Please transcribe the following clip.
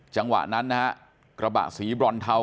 จังหวะนั้นนะฮะกระบะสีบรอนเทา